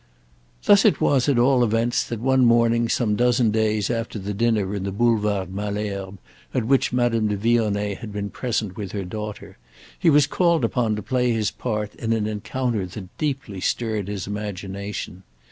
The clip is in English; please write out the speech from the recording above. Thus it was at all events that, one morning some dozen days after the dinner in the Boulevard Malesherbes at which Madame de Vionnet had been present with her daughter, he was called upon to play his part in an encounter that deeply stirred his imagination.